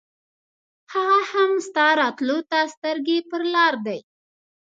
هغه هم ستا راتلو ته سترګې پر لار دی.